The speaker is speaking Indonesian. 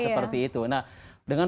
seperti itu nah dengan